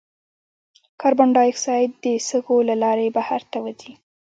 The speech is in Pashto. کاربن ډای اکساید د سږو له لارې بهر ته وځي.